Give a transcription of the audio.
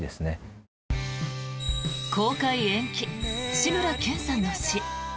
公開延期、志村けんさんの死。